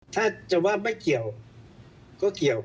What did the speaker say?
ถ้าจะว่าไม่เกี่ยวก็เกี่ยว